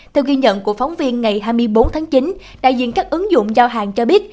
theo ghi nhận của phóng viên ngày hai mươi bốn tháng chín đại diện các ứng dụng giao hàng cho biết